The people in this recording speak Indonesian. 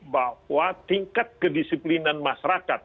bahwa tingkat kedisiplinan masyarakat